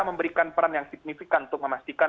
memberikan peran yang signifikan untuk memastikan